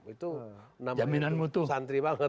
itu namanya santri banget